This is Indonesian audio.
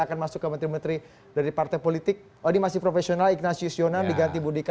akan masuk ke menteri menteri dari partai politik h nieu masih profesional ignacius yona diganti budi